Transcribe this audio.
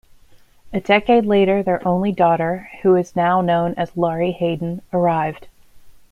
A decade later their only daughter, who is now known as Laurie Hayden, arrived.